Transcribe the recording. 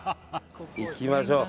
行きましょう。